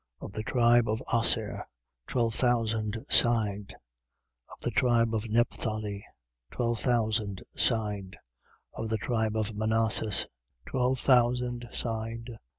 Of the tribe of Aser, twelve thousand signed: Of the tribe of Nephthali, twelve thousand signed: Of the tribe of Manasses, twelve thousand signed: 7:7.